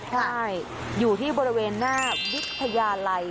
ใช่อยู่ที่บริเวณหน้าวิทยาลัย